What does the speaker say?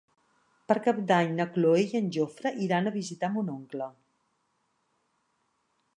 Per Cap d'Any na Cloè i en Jofre iran a visitar mon oncle.